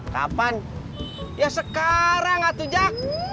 hai kapan ya sekarang atau jack